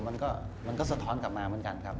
มันก็สะท้อนกลับมาเหมือนกันครับ